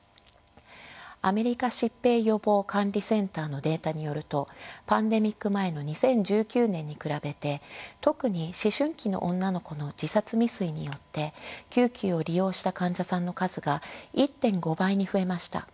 アメリカ疾病予防管理センターのデータによるとパンデミック前の２０１９年に比べて特に思春期の女の子の自殺未遂によって救急を利用した患者さんの数が１．５倍に増えました。